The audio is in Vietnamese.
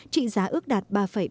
trị giá ước đạt ba bảy mươi chín tỷ usd